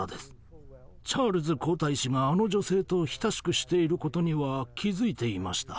チャールズ皇太子があの女性と親しくしていることには気付いていました。